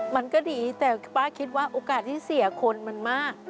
มันก็ดีแต่ป้าคิดว่าโอกาสที่เสียคนมันมาก